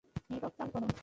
Network চালু করো।